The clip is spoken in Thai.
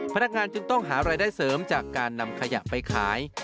พนักงานจึงต้องหารายได้เสริมจากการนำขยะไปขาย